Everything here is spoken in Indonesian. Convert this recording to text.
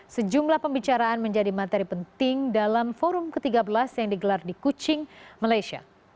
sejumlah pembicaraan menjadi materi penting dalam forum ke tiga belas yang digelar di kuching malaysia